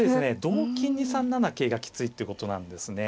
同金に３七桂がきついってことなんですね。